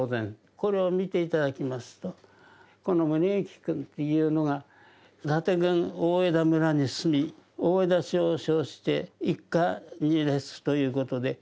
これを見て頂きますとこの宗行君というのが「伊達郡大條村に住み大條氏を称して一家に列す」という事で。